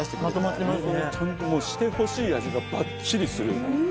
ちゃんとしてほしい味がバッチリする。